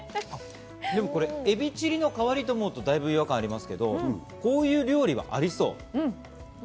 エビチリの代わりと思うと違和感がありますけど、こういう料理はありそう。